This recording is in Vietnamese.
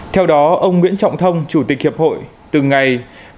theo đó ông nguyễn trọng thông chủ tịch hiệp hội từ ngày một mươi bốn một mươi hai nghìn hai mươi một